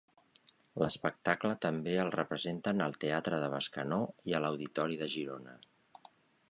L'espectacle també el representen al Teatre de Bescanó i a l'Auditori de Girona.